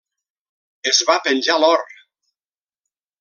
Es va penjar l'or.